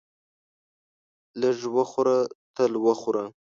لږ وخوره تل وخوره.